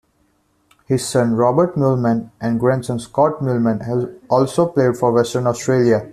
His son Robert Meuleman and grandson Scott Meuleman have also played for Western Australia.